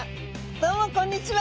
どうもこんにちは。